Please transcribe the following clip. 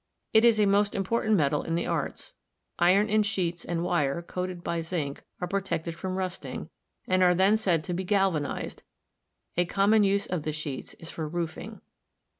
It is a most important metal in the arts. Iron in sheets and wire, coated by zinc, are protected from rusting, and are then said to be galvanized ; a common use of the sheets is for roofing.